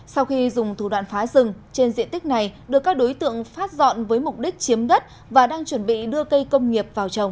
sau khi dùng thủ đoạn phá rừng trên diện tích này được các đối tượng phát dọn với mục đích chiếm đất và đang chuẩn bị đưa cây công nghiệp vào trồng